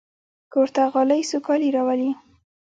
کور ته غالۍ سوکالي راولي.